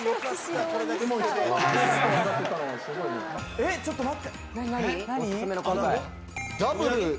・えっちょっと待って。